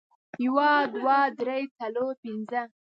یو، دوه، درې، څلور، پنځه